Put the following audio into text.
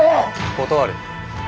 断る。